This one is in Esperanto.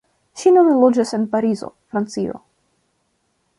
Ŝi nune loĝas en Parizo, Francio.